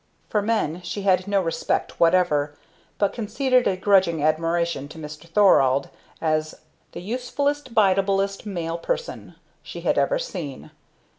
For men she had no respect whatever, but conceded a grudging admiration to Mr. Thorald as "the usefullest biddablest male person" she had ever seen.